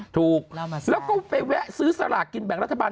ถูกแล้วก็ไปแวะซื้อสลากกินแบ่งรัฐบาล